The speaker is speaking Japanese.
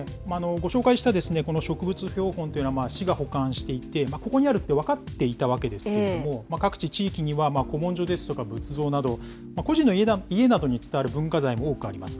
ご紹介したこの植物標本というのは市が保管していて、ここにあるって分かっていたわけですけれども、各地、地域には古文書ですとか、仏像など、個人の家などに伝わる文化財も多くあります。